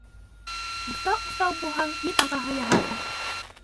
Урта уҫал булһаң, ил ағаһы яһарҙар.